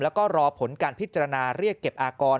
แล้วก็รอผลการพิจารณาเรียกเก็บอากร